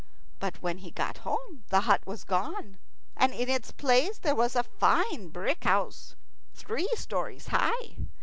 But when he got home the hut had gone, and in its place there was a fine brick house, three stories high.